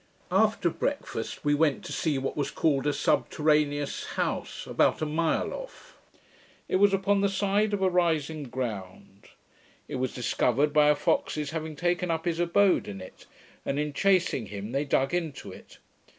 After breakfast, we went to see what was called a subterraneous house, about a mile off. It was upon the side of a rising ground. It was discovered by a fox's having taken up his abode in it, and in chasing him, they dug into it.